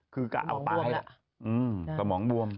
คือกะเอาไปสมองบวม